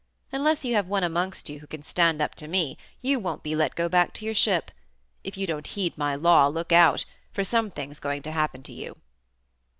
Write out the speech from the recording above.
Unless you have one amongst you who can stand up to me you won't be let go back to your ship. If you don't heed my law, look out, for something's going to happen to you."